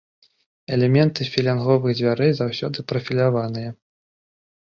Элементы філянговых дзвярэй заўсёды прафіляваныя.